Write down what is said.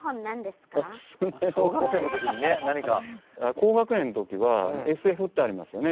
高学年の時はＳＦってありますよね。